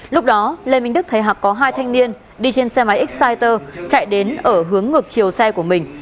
lúc đó lê minh đức thấy hạc có hai thanh niên đi trên xe máy exciter chạy đến ở hướng ngược chiều xe của mình